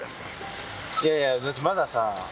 いやいやだってまださ。